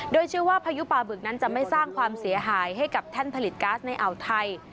โดยเชื่อว่าพายุปลาบึกนั้นจะไม่สร้างความเสียหายให้กับแท่นผลิตก๊าซในอ่าวไทย